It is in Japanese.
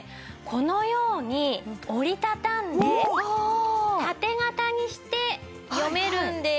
このように折り畳んで縦型にして読めるんです。